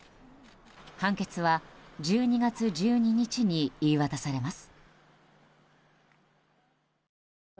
判決は１２月１２日に言い渡されます。